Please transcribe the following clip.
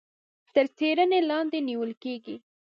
تر څيړنې لاندي نيول کېږي.